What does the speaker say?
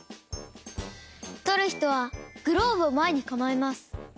とるひとはグローブをまえにかまえます。